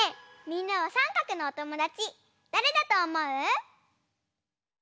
みんなはさんかくのおともだちだれだとおもう？